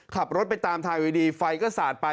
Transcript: ขับรถไปตามทางอยู่ดีไฟก็สาดไป